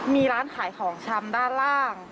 มีร้านขายของชำด้านล่าง